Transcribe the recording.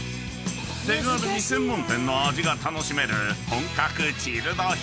［手軽に専門店の味が楽しめる本格チルド品］